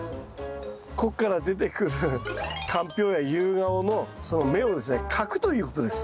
ここから出てくるかんぴょうやユウガオのその芽をですねかくということです。